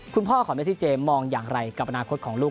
คุณพ่อของเมซิเจมองอย่างไรกับอนาคตของลูก